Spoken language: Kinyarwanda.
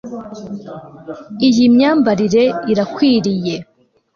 Iyi myambarire irakwiriye